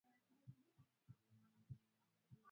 viazi lishe Vinaweza pamoja na chai